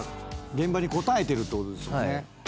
現場に応えてるってことですもんね。